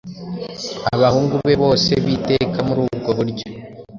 Abahungu be bose b'iteka muri ubwo buryo,